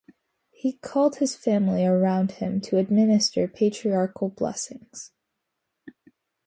He called his family around him to administer patriarchal blessings.